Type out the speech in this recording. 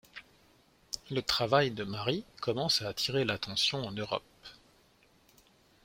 Le travail de Mary commence à attirer l’attention en Europe.